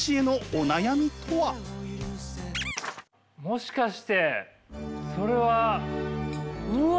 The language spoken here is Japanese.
もしかしてそれは。うわ！